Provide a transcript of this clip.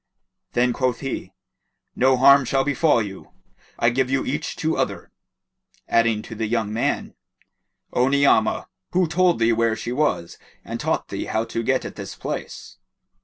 Then quoth he, "No harm shall befall you, I give you each to other;" adding to the young man, "O Ni'amah, who told thee where she was and taught thee how to get at this place?"